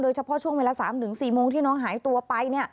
เฉพาะช่วงเวลา๓๔โมงที่น้องหายตัวไป